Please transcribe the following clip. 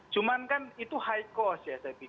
cuma kan itu high cost ya saya pikir